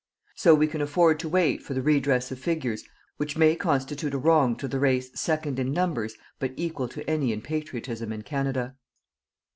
So we can afford to wait for the redress of figures which may constitute a wrong to the race second in numbers but equal to any in patriotism in Canada.